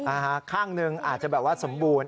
ข้างหนึ่งอาจจะแบบว่าสมบูรณ